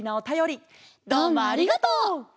どうもありがとう！